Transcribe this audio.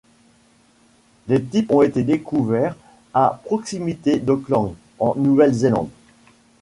Les types ont été découverts à proximité d'Auckland, en Nouvelle-Zélande.